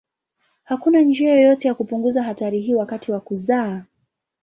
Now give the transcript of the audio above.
Hakuna njia yoyote ya kupunguza hatari hii wakati wa kuzaa.